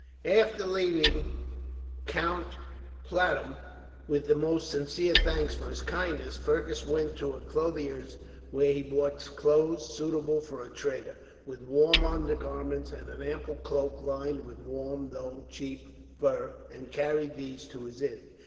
After leaving Count Platurn, with the most sincere thanks for his kindness, Fergus went to a clothier's, where he bought clothes suitable for a trader, with warm undergarments, and an ample cloak lined with warm, though cheap, fur, and carried these to his inn.